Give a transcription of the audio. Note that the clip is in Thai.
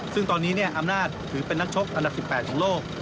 ซึ่งตอนนี้อำนาจถือเป็นนักชกอันดับ๑๘ของโลก